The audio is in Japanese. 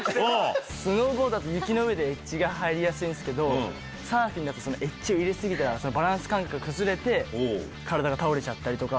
スノボだと雪の上でエッジが入りやすいんですけどサーフィンだとエッジを入れ過ぎたらバランス感覚が崩れて体が倒れちゃったりとか。